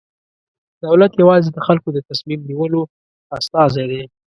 دولت یوازې د خلکو د تصمیم نیولو استازی دی.